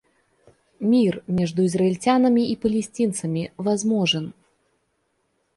Мир между израильтянами и палестинцами возможен.